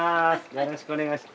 よろしくお願いします。